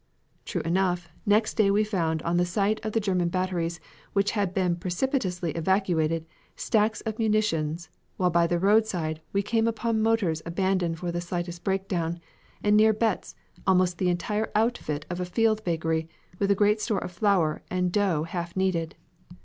"' True enough, next day we found on the site of the German batteries, which had been precipitately evacuated, stacks of munitions; while by the roadside we came upon motors abandoned for the slightest breakdown, and near Betz almost the entire outfit of a field bakery, with a great store of flour and dough half kneaded.